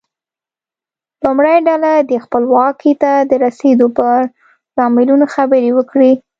لومړۍ ډله دې خپلواکۍ ته د رسیدو پر لاملونو خبرې وکړي.